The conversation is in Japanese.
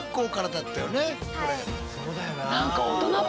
そうだよな。